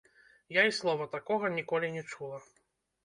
Я і слова такога ніколі не чула.